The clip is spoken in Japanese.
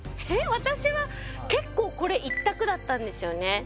私は結構これ１択だったんですよね